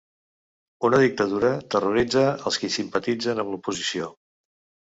Una dictadura terroritza els qui simpatitzen amb l'oposició.